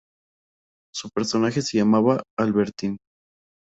Su personaje se llamaba 'Albertine'.